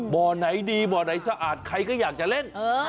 บ่อไหนดีบ่อไหนสะอาดใครก็อยากจะเล่น